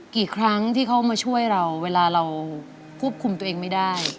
กี่ครั้งที่เขามาช่วยเราเวลาเราควบคุมตัวเองไม่ได้